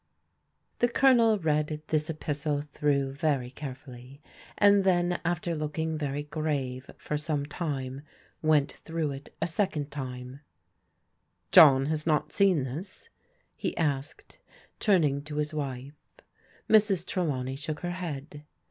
The Colonel read this epistle through very carefully, and then after looking very grave for some time went ^^^^r/i it a second time. THE GIRLS TAKE FRENCH LEAVE 127 " John has not seen this ?" he asked, turning to his wife. Mrs. Trelawney shook her head.